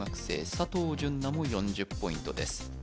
佐藤潤奈も４０ポイントです